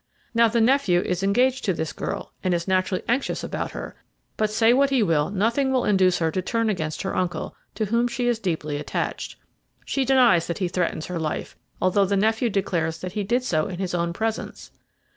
Now the nephew is engaged to this girl, and is naturally anxious about her; but, say what he will, nothing will induce her to turn against her uncle, to whom she is deeply attached. She denies that he threatens her life, although the nephew declares that he did so in his own presence.